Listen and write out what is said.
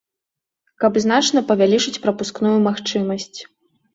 Каб значна павялічыць прапускную магчымасць.